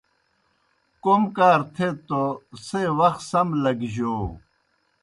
کوْم کار تھیت توْ څھے وخ سم لگیْجو۔